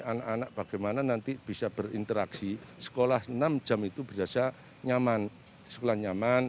anak anak bagaimana nanti bisa berinteraksi sekolah enam jam itu berjasa nyaman sekolah nyaman